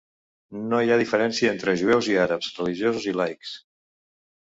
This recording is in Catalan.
No hi ha diferència entre jueus i àrabs, religiosos i laics.